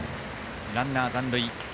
ランナー残塁。